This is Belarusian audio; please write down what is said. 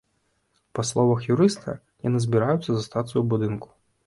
Па словах юрыста, яны збіраюцца застацца ў будынку.